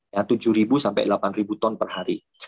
ya tujuh sampai delapan ton per hari